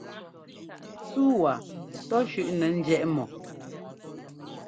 Súu waa tɔ́ shʉ́ʼnɛ njiɛʼ mɔ.